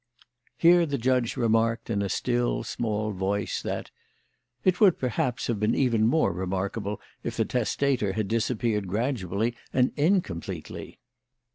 Here the judge remarked in a still, small voice that "It would, perhaps, have been even more remarkable if the testator had disappeared gradually and incompletely."